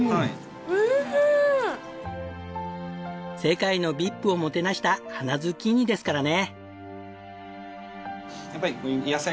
世界のＶＩＰをもてなした花ズッキーニですからね。